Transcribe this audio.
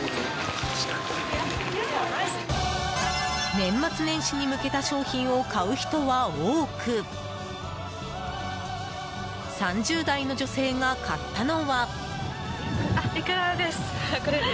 年末年始に向けた商品を買う人は多く３０代の女性が買ったのは。